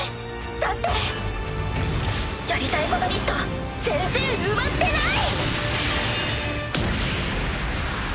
だってやりたいことリスト全然埋まってない！